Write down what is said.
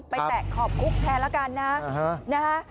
แตะขอบคุกแทนแล้วกันนะนะฮะ